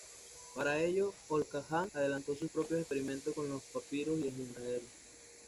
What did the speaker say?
Para ello, O'Callaghan adelantó sus propios experimentos con los papiros en Israel.